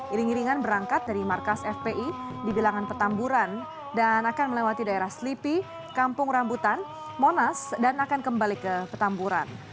iring iringan berangkat dari markas fpi di bilangan petamburan dan akan melewati daerah slipi kampung rambutan monas dan akan kembali ke petamburan